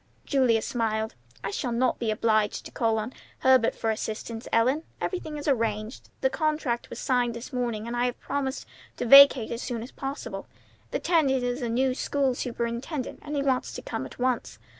Julia smiled. "I shall not be obliged to call on Herbert for assistance, Ellen. Everything is arranged. The contract was signed this morning, and I have promised to vacate as soon as possible. The tenant is the new school superintendent, and he wants to come at once.